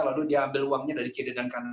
lalu dia ambil uangnya dari kiri dan kanan